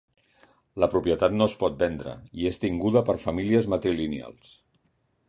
La propietat no es pot vendre i és tinguda per famílies matrilineals.